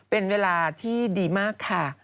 เป็นเวลาที่ดีมากค่ะ